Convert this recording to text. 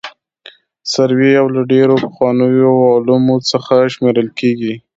سروې یو له ډېرو پخوانیو علومو څخه شمېرل کیږي